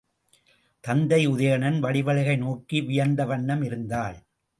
தத்தை உதயணன் வடிவழகை நோக்கி வியந்த வண்ணம் இருந்தாள்.